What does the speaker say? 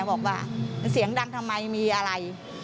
บอกว่ามันเสียงดังทำไมมีอะไร